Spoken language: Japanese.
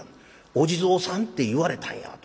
「『お地蔵さん』って言われたんや」と。